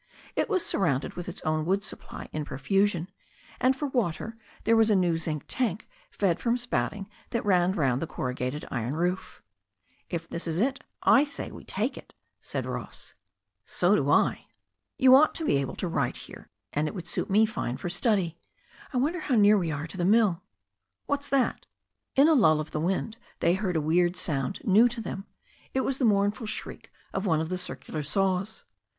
It was surrounded with its own wood supply in profusion, and for water there was a new zinc tank fed from spouting that ran round the corrugated iron roof. "If this is it, I say we take it," said Ross. 267 268 THE STORY OF A NEW ZEALAND RIVER "So do I." "You ought to be able to write here, and it would suit me fine for study. I wonder how near we are to the mill." "What's that?" In a lull of the wind they heard a weird sound, new to them. It was the mournful shriek of one of the circular saws.